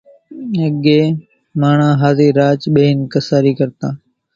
اڳيَ ماڻۿان ۿازِي راچ ٻيۿينَ ڪسارِي ڪرتان۔